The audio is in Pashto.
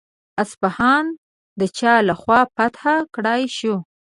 اصفهان د چا له خوا فتح کړای شو؟